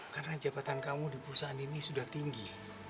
karena jabatan kamu di perusahaan ini sudah tinggi